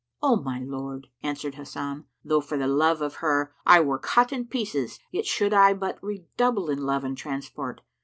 "O my lord," answered Hasan, though for the love of her I were cut in pieces yet should I but redouble in love and transport!